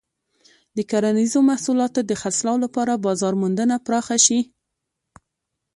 د کرنیزو محصولاتو د خرڅلاو لپاره بازار موندنه پراخه شي.